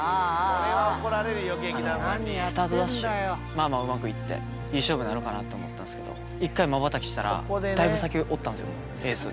スタートダッシュ、まあまあうまくいって、いい勝負なるかなと思ったんですけど、１回まばたきしたら、だいぶ先おったんですよ、エース。